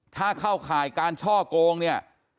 ถ้าเข้าข่ายการช่อโกงเนี่ย